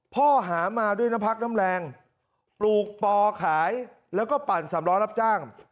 หามาด้วยน้ำพักน้ำแรงปลูกปอขายแล้วก็ปั่นสำล้อรับจ้าง